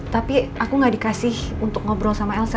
tapi aku gak dikasih untuk ngobrol sama elsa